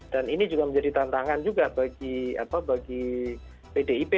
dan ini juga menjadi tantangan juga bagi bdip